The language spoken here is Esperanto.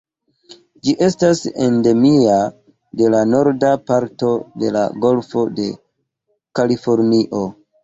Ĝi estas endemia de la norda parto de la Golfo de Kalifornio.